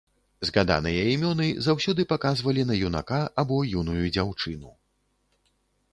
Згаданыя імёны заўсёды паказвалі на юнака або юную дзяўчыну.